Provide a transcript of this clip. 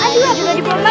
aduh apa dibombal